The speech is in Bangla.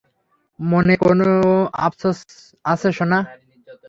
মনে কোনও আফসোস আছে, সোনা?